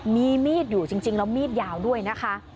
มีมีดอยู่จริงแล้วมีดยาวด้วยนะคะ